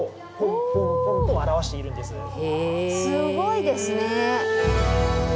すごいですね！